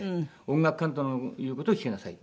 「音楽監督の言う事を聞きなさい」。